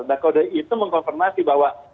nah kode itu mengkonfirmasi bahwa